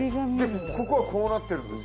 ここがこうなってるんです。